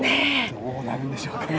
どうなるんでしょうかね。